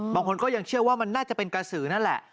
บางคนก็ยังเชื่อว่ามันน่าจะเป็นกระสือนั่นแหละ